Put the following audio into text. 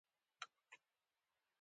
د قیامت او محشر علامه بولم.